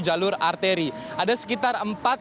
jalur arteri ada sekitar